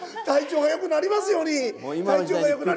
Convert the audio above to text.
体調が良くなりますように！